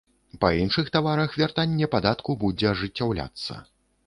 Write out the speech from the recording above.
Па іншых таварах вяртанне падатку будзе ажыццяўляцца.